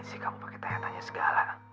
cepat serahkan sakina